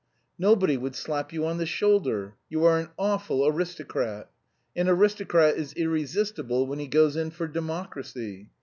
Nobody would slap you on the shoulder. You are an awful aristocrat. An aristocrat is irresistible when he goes in for democracy!